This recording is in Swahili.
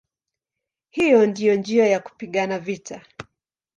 Hiyo ndiyo njia ya kupigana vita".